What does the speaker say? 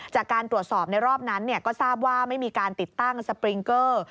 จากการตรวจสอบในรอบนั้นก็ทราบว่าไม่มีการติดตั้งสปริงเกอร์